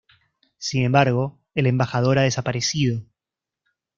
Sin embargo, el embajador ha desaparecido.